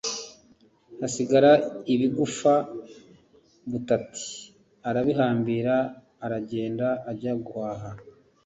hasigara ibigufa, Butati arabihambira aragenda ajya guhaha.